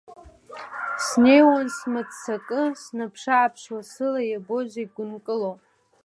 Снеиуан смыццакы, снаԥшы-ааԥшуа, сыла иабо зегь гәынкыло.